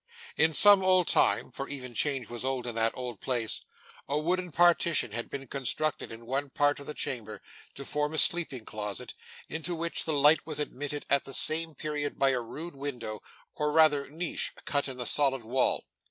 In some old time for even change was old in that old place a wooden partition had been constructed in one part of the chamber to form a sleeping closet, into which the light was admitted at the same period by a rude window, or rather niche, cut in the solid wall.